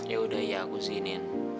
yaudah ya aku zinin